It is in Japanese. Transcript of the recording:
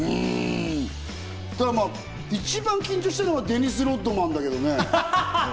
一番緊張したのはデニス・ロッドマンだけどね。